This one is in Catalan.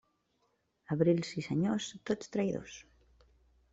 Abrils i senyors, tots traïdors.